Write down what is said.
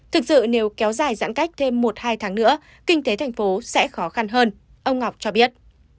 thực sự nếu kéo dài giãn cách thêm một hai tháng nữa kinh tế thành phố sẽ khó khăn hơn ông ngọc cho biết